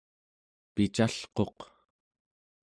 picalquq